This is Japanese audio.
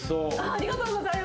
ありがとうございます。